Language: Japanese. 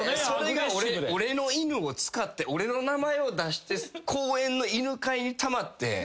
それが俺の犬を使って俺の名前を出して公園の犬会にたまって。